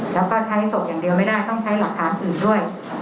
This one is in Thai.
แล้วก็ใช้ศพอย่างเดียวไม่ได้ต้องใช้หลักฐานอื่นด้วย